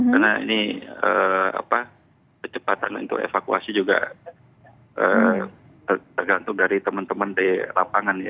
karena ini kecepatan untuk evakuasi juga tergantung dari teman teman di lapangan ya